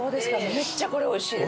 めっちゃこれおいしいです。